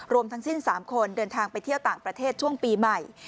รวมทั้งสิ้น๓คนเดินทางไปเที่ยวต่างประเทศช่วงปีใหม่